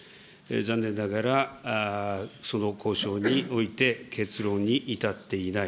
残念ながら、その交渉において結論に至っていない。